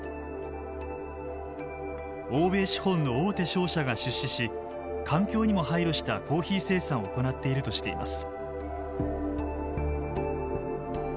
欧米資本の大手商社が出資し環境にも配慮したコーヒー生産を行っているとしています。